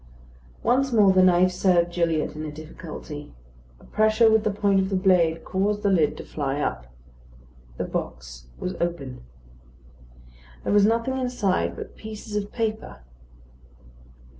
Once more the knife served Gilliatt in a difficulty. A pressure with the point of the blade caused the lid to fly up. The box was open. There was nothing inside but pieces of paper.